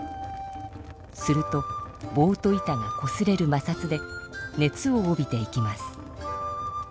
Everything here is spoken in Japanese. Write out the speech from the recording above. するとぼうと板がこすれるまさつで熱を帯びていきます。